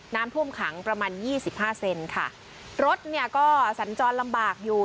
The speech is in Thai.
น้ำท่วมขังประมาณยี่สิบห้าเซนค่ะรถเนี่ยก็สัญจรลำบากอยู่